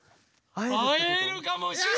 あえるかもしれない！